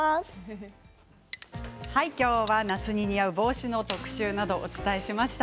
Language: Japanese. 今日は夏に似合う帽子の特集をお伝えしました。